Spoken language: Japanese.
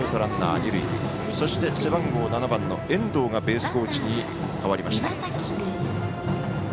そして背番号７番の遠藤がベースコーチに変わりました。